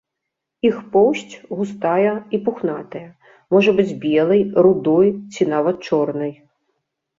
Іх поўсць густая і пухнатая, можа быць белай, рудой ці нават чорнай.